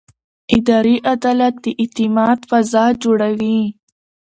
اداري عدالت د اعتماد فضا جوړوي.